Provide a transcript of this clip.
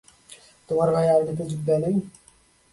তোমার ভাই আর্মিতে যোগ দেয় নাই?